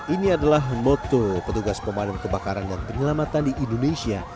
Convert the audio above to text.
ini adalah moto petugas pemadam kebakaran dan penyelamatan di indonesia